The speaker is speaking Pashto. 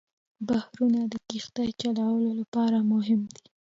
بحرونه د کښتۍ چلولو لپاره مهم دي.